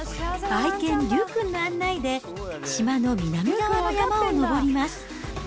愛犬、りゅうくんの案内で島の南側の山を登ります。